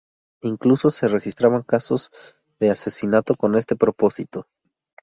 Incluso se registraban casos de asesinato con este propósito.